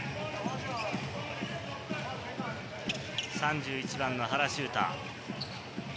３１番の原修太。